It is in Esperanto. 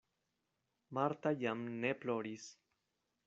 Marta jam ne ploris.